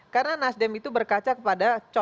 karena nasdem itu berkaca pada